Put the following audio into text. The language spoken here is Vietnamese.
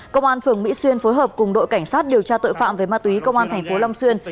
công an phường mỹ xuyên phối hợp cùng đội cảnh sát điều tra tội phạm về ma túy công an thành phố long xuyên